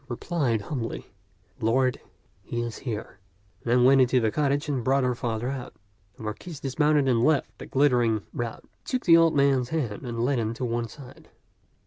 She replied humbly, " Lord, he is here "; then went into the cottage and brought her father out. The Marquis dismounted and left the glittering 144 t^^ Ckxk'0 t(xU rout. He took the old man's hand and led him to one side.